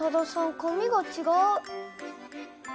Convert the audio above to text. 紙がちがう。